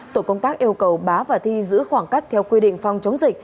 tổ công tác yêu cầu bá và thi giữ khoảng cách theo quy định phòng